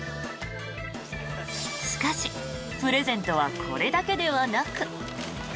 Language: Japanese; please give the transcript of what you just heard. しかし、プレゼントはこれだけではなく。